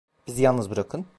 Bizi yalnız bırakın.